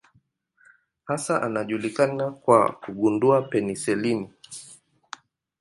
Hasa anajulikana kwa kugundua penisilini.